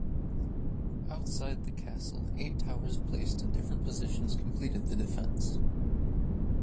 Outside the castle eight towers placed in different positions completed the defence.